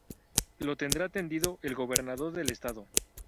Lo tendrá atendido el Gobernador del Estado.